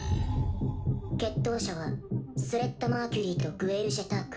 決闘者はスレッタ・マーキュリーとグエル・ジェターク。